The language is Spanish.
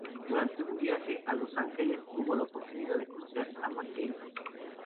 Durante un viaje a Los Ángeles, tuvo la oportunidad de conocer a McKay.